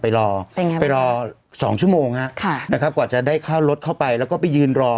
ไปรอสองชั่วโมงฮะค่ะนะครับกว่าจะได้เข้ารถเข้าไปแล้วก็ไปยืนรอ